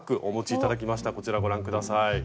こちらご覧下さい。